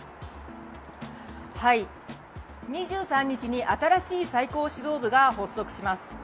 ２３日に新しい最高指導部が発足します。